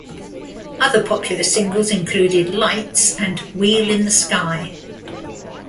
Other popular singles included "Lights" and "Wheel in the Sky".